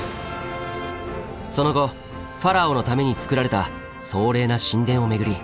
その後ファラオのためにつくられた壮麗な神殿を巡り